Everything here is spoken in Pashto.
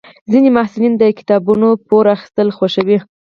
ځینې محصلین د کتابونو پور اخیستل خوښوي.